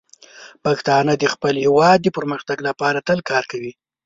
پښتانه د خپل هیواد د پرمختګ لپاره تل کار کوي.